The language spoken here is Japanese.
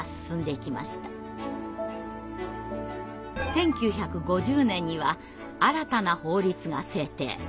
１９５０年には新たな法律が制定。